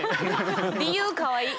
理由かわいい！